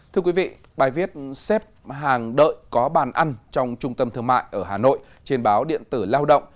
thưa quý vị bài viết xếp hàng đợi có bàn ăn trong trung tâm thương mại ở hà nội trên báo điện tử lao động